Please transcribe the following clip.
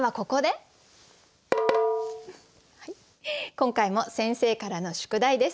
今回も先生からの宿題です。